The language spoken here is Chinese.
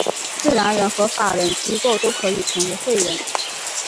自然人和法人机构都可以成为会员。